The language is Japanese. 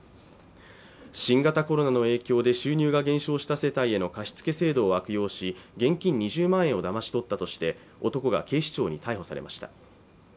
新型コロナの影響で収入が減少した世帯への貸付制度を悪用し現金２０万円をだまし取ったとして男が警視庁に逮捕されました